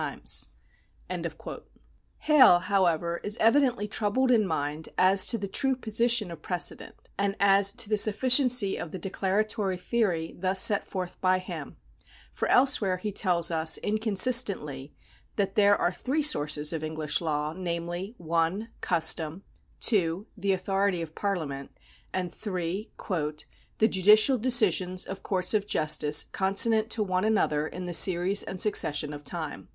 ^ 1 Hale's History of the Common Law, p. 89 (ed. of 1820). L 162 PRECEDENT [§ 62 Hale, however, is evidently troubled in mind as to the tnie position of precedent, and as to the sufficiency of tlie de claratory theory thus set forth by him, for elsewhere he tells us inconsistently that there are three sources of English law, namely, (1) custom, (2) the authority of Parliament, and (3) " the judicial decisions of courts of justice consonant to one another in the series and succession of time."